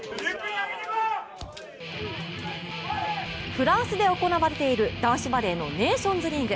フランスで行われている男子バレーのネーションズリーグ。